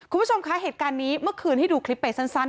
คุณผู้ชมคะเหตุการณ์นี้เมื่อคืนให้ดูคลิปไปสั้น